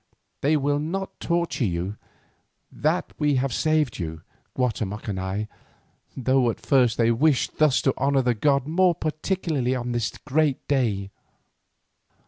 They will not torture you, that we have saved you, Guatemoc and I, though at first they wished thus to honour the god more particularly on this great day."